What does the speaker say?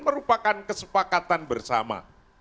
merupakan kesepakatan bersama